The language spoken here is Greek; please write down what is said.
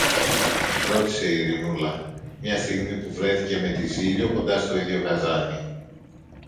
ρώτησε η Ειρηνούλα, μια στιγμή που βρέθηκε με τη Ζήλιω κοντά στο ίδιο καζάνι.